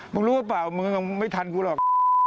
รู้หรือเปล่ามึงไม่ทันกูหรอก